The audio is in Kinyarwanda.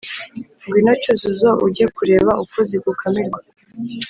ngwino cyuzuzo ujye kureba uko zigukamirwa